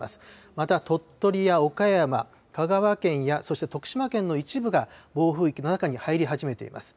また鳥取や岡山、香川県やそして徳島県の一部が、暴風域の中に入り始めています。